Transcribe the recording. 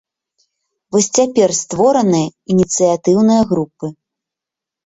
Вось цяпер створаныя ініцыятыўныя групы.